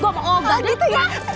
tapi kalau di madu pahit